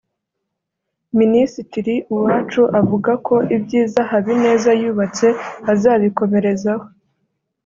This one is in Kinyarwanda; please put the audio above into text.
Minisitiri Uwacu avuga ko ibyiza Habineza yubatse azabikomerezaho